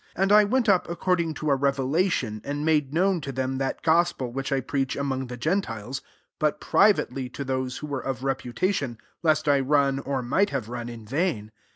2 And I went up according to a revelation, and made known to them that gos pel which I preach among the gentiles ; but privately to those who were of reputation, lest I run, or might have run, in vain.